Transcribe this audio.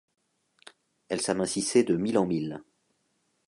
Elle s’amincissait de mille en mille.